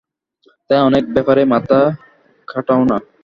তাই, অনেক ব্যাপারেই মাথা খাটাও না।